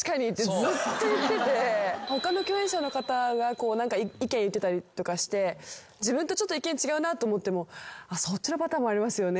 他の共演者の方が意見言ってたりとかして自分とちょっと意見違うなと思っても「そっちのパターンもありますね」